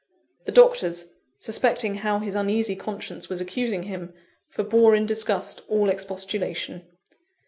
The doctors, suspecting how his uneasy conscience was accusing him, forbore in disgust all expostulation.